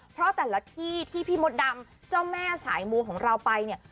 เพราะแต่ละที่ที่พี่มดดำเจ้าแม่สายมูของเราไปเนี่ย